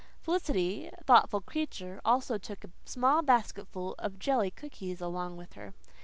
Felicity, thoughtful creature, also took a small basketful of jelly cookies along with her.